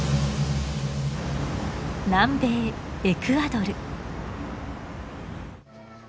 南米エクアドル。